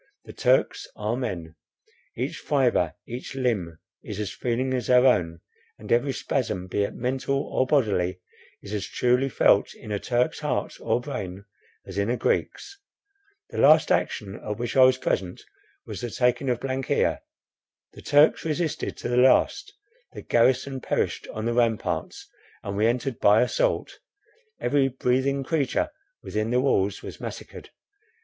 The Turks are men; each fibre, each limb is as feeling as our own, and every spasm, be it mental or bodily, is as truly felt in a Turk's heart or brain, as in a Greek's. The last action at which I was present was the taking of ——. The Turks resisted to the last, the garrison perished on the ramparts, and we entered by assault. Every breathing creature within the walls was massacred.